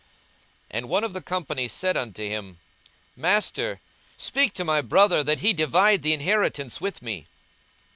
42:012:013 And one of the company said unto him, Master, speak to my brother, that he divide the inheritance with me.